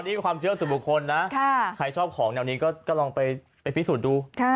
นี่เป็นความเชื่อส่วนบุคคลนะใครชอบของแนวนี้ก็ลองไปพิสูจน์ดู